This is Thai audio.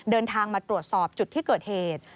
เดินทางมาตรวจสอบจุดที่เกิดเหตุ